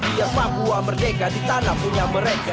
dia papua merdeka di tanah punya mereka